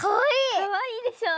かわいいでしょ。